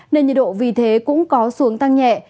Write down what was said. nên nhiệt độ vì thế cũng có xuống tăng nhẹ